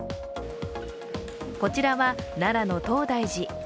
こちらは奈良の東大寺。